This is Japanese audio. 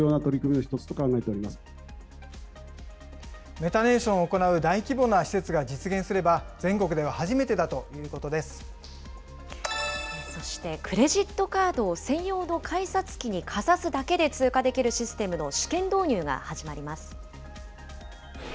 メタネーションを行う大規模な施設が実現すれば、そして、クレジットカードを専用の改札機にかざすだけで通過できるシステムの試験導入が始まります。